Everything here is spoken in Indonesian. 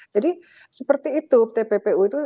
jadi seperti itu tppu itu